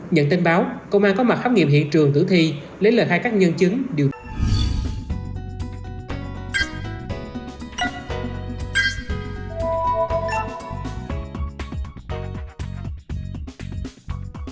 nhận tin báo công an có mặt khám nghiệm hiện trường tử thi lấy lời khai các nhân chứng điều